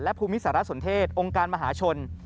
ภูมิสารสนเทศองค์การมหาชน